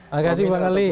terima kasih bang ali